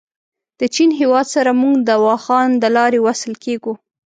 د چین هېواد سره موږ د واخان دلاري وصل کېږو.